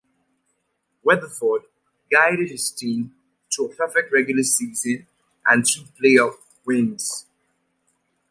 Weatherford guided his team to a perfect regular season, and two playoff wins.